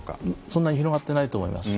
そんなに広がってないと思います。